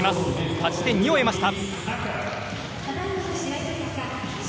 勝ち点２を得ました。